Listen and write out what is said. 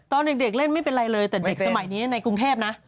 ตอนเด็กเล่นไม่เป็นไรเลยแต่เด็กสมัยนี้ในกรุงเทพนะ